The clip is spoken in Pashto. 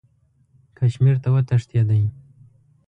کشمیر ته وتښتېدی.